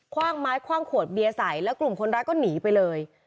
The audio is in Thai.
ว่างไม้คว่างขวดเบียร์ใส่แล้วกลุ่มคนร้ายก็หนีไปเลย